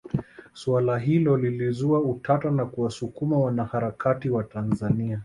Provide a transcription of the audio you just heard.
Swala hilo lilizua utata na kuwasukuma wanaharakati wa Tanzania